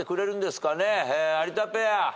有田ペア。